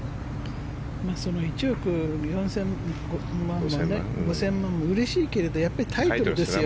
その１億５０００万もうれしいけれどもやっぱりタイトルですよ。